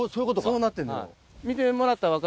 そうなってんの。